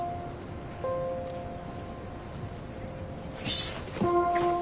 よし。